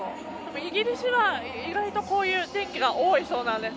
イギリスは意外とこういう天気が多いそうです。